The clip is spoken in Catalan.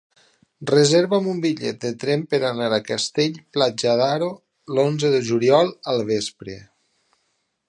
Reserva'm un bitllet de tren per anar a Castell-Platja d'Aro l'onze de juliol al vespre.